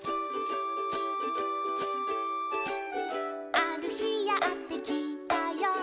「あるひやってきたよ」